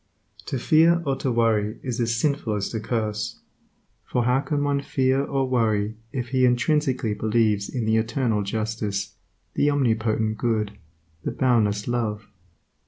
To fear or to worry is as sinful as to curse, for how can one fear or worry if he intrinsically believes in the Eternal justice, the Omnipotent Good, the Boundless Love?